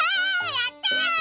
やった！